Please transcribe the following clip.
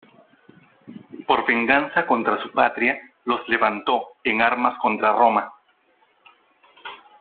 Por venganza contra su patria los levantó en armas contra Roma.